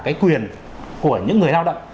cái quyền của những người lao động